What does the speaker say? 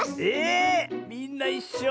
みんないっしょ。